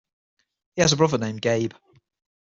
He has a brother named Gabe.